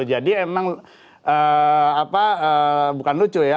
jadi emang apa bukan lucu ya